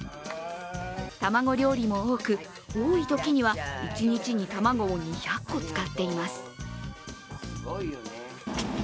卵料理も多く、多いときには一日に卵を２００個使っています。